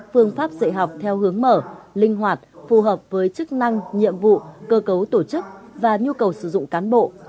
phương pháp dạy học theo hướng mở linh hoạt phù hợp với chức năng nhiệm vụ cơ cấu tổ chức và nhu cầu sử dụng cán bộ